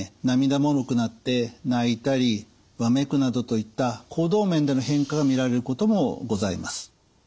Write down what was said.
涙もろくなって泣いたりわめくなどといった行動面での変化が見られることもございます。